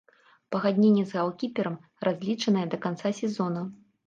Пагадненне з галкіперам разлічанае да канца сезона.